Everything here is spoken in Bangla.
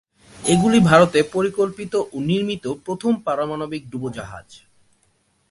এগুলি ভারতে পরিকল্পিত ও নির্মিত প্রথম পারমাণবিক ডুবোজাহাজ।